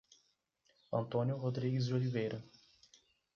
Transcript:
Antônio Rodrigues de Oliveira